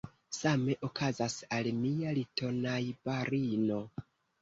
Same okazas al mia litonajbarino.